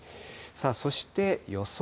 そして予想